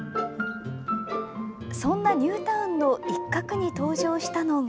そんなニュータウンの一角に登場したのが。